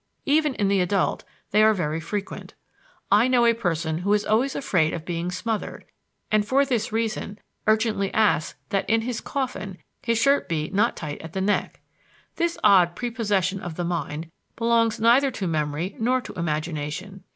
Even in the adult, they are very frequent. I know a person who is always afraid of being smothered, and for this reason urgently asks that in his coffin his shirt be not tight at the neck: this odd prepossession of the mind belongs neither to memory nor to imagination.